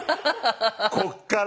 こっから？